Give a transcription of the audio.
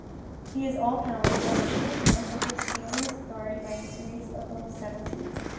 He is all powerful and she has no hope of stealing his authority by a series of little subtleties.